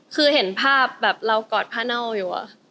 คือเห็นภาพแบบเรากอดผ้าเน่าอยู่